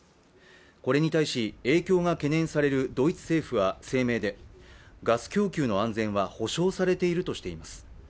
これに対し影響が懸念されるドイツ政府は声明でガス供給の安全は保証されているとしています。